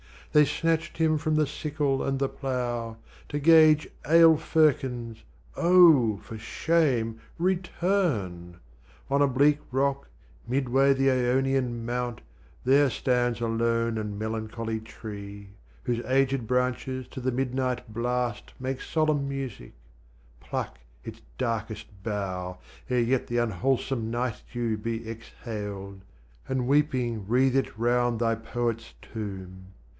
They snatched him from the sickle and the plough To gauge ale firkins. Oh! for shame return! On a bleak rock, midway the Aonian mount, There stands a lone and melancholy tree, Whose aged branches to the midnight blast Make solemn music: pluck its darkest bough, Ere yet the unwholesome night dew be exhaled, And weeping wreath it round thy Poet's tomb.